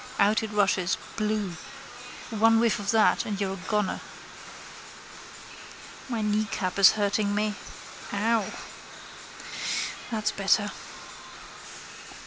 Out it rushes: blue. One whiff of that and you're a goner. My kneecap is hurting me. Ow. That's better.